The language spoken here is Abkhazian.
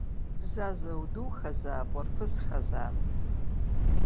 Бзаза, удухазаап, уарԥысхазаап!